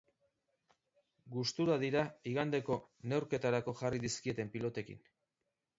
Gustura dira igandeko neurketarako jarri dizkieten pilotekin.